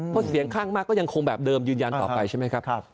เพราะเสียงข้างมากก็ยังคงแบบเดิมยืนยันต่อไปใช่ไหมครับ